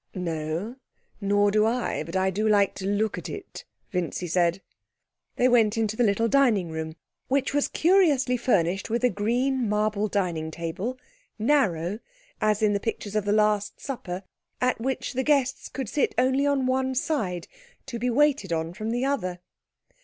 'No, nor do I; but I do like to look at it,' Vincy said. They went into the little dining room, which was curiously furnished with a green marble dining table, narrow, as in the pictures of the Last Supper, at which the guests could sit on one side only to be waited on from the other.